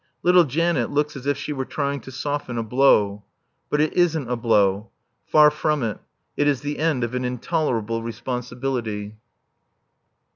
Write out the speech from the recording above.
Little Janet looks as if she were trying to soften a blow. But it isn't a blow. Far from it. It is the end of an intolerable responsibility.